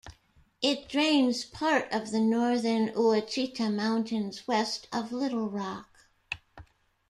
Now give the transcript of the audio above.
It drains part of the northern Ouachita Mountains west of Little Rock.